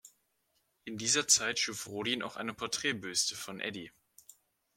In dieser Zeit schuf Rodin auch eine Porträtbüste von Eddy.